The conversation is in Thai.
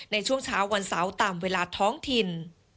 ในช่วงเช้าวันเสาร์ตามเวลาท้องถิ่น